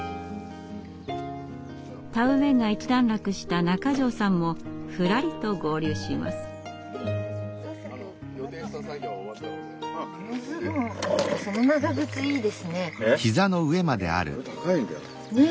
田植えが一段落した中條さんもふらりと合流します。え？